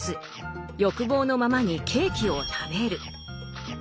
欲望のままにケーキを食べる。